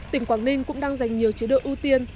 tỉnh quảng ninh cũng đang dành nhiều chế độ ưu tiên